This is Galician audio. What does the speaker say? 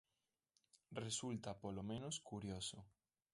Resulta polo menos curioso.